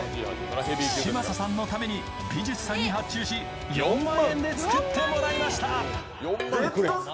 嶋佐さんのために美術さんに発注し４万円で作ってもらいました